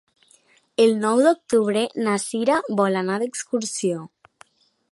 El nou d'octubre na Cira vol anar d'excursió.